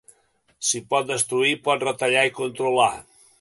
Si pot destruir, pot retallar i controlar.